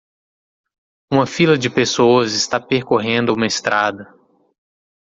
Uma fila de pessoas está percorrendo uma estrada.